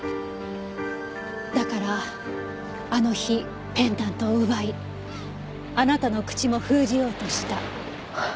だからあの日ペンダントを奪いあなたの口も封じようとした。